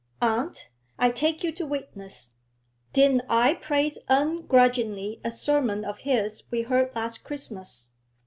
Aunt, I take you to witness, didn't I praise ungrudgingly a sermon of his we heard last Christmas?'